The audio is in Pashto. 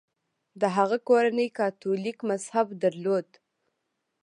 د هغه کورنۍ کاتولیک مذهب درلود.